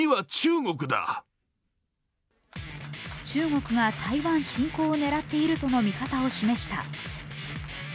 中国が台湾侵攻を狙っているとの見方を示した。